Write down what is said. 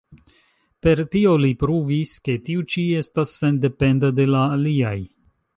Per tio li pruvis, ke tiu ĉi estas sendependa de la aliaj.